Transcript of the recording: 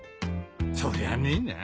そりゃねえな。